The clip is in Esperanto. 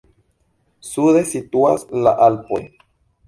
Sude situas la Alpoj.